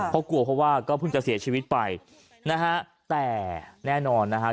เพราะกลัวเพราะว่าก็เพิ่งจะเสียชีวิตไปนะฮะแต่แน่นอนนะฮะ